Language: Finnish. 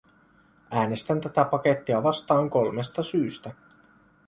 Äänestän tätä pakettia vastaan kolmesta syystä.